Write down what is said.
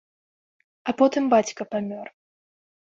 А потым бацька памёр.